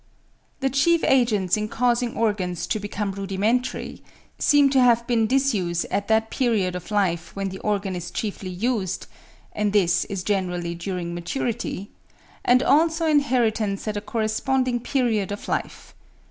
The chief agents in causing organs to become rudimentary seem to have been disuse at that period of life when the organ is chiefly used (and this is generally during maturity), and also inheritance at a corresponding period of life.